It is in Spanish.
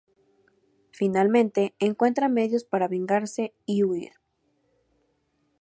Finalmente encuentra medios para vengarse y huir.